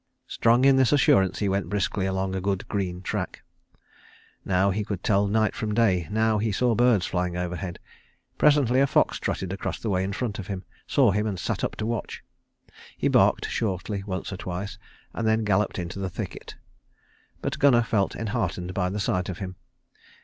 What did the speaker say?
Strong in this assurance, he went briskly along a good green track. Now he could tell night from day; now he saw birds flying overhead; presently a fox trotted across the way in front of him, saw him and sat up to watch. He barked shortly once or twice and then galloped into the thicket. But Gunnar felt enheartened by the sight of him.